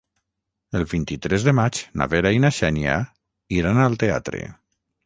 El vint-i-tres de maig na Vera i na Xènia iran al teatre.